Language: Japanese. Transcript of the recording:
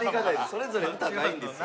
それぞれ歌ないんですよ。